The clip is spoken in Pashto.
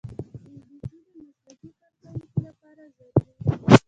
انګلیسي د مسلکي کارکوونکو لپاره ضروري ده